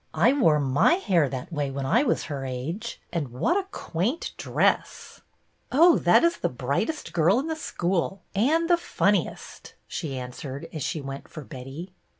" I wore my hair that way when I was her age ; and what a quaint dress !"" Oh, that is the brightest girl in the 1 lO BETTY BAIRD school — and the funniest," she answered, as she went for Betty.